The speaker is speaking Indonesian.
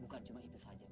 bukan cuman itu saja pak